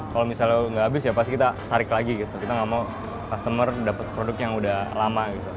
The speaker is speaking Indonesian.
kalau misalnya nggak habis ya pasti kita tarik lagi gitu kita nggak mau customer dapat produk yang udah lama gitu